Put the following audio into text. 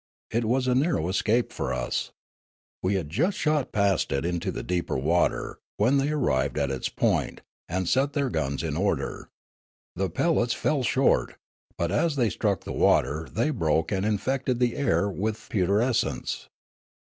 It was a nar row escape for us. We had jvist shot past it into deeper water, when they arrived at its point and set their guns in order. The pellets fell short ; but as they struck the water they broke and infected the air with putrescence.